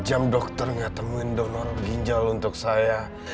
dua puluh empat jam dokter gak temuin pendonor ginjal untuk saya